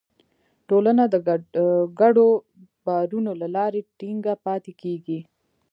ټولنه د ګډو باورونو له لارې ټینګه پاتې کېږي.